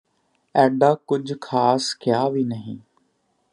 ਐਡਾ ਕੁੱਝ ਖਾਸ ਕਿਹਾ ਵੀ ਨਹੀਂ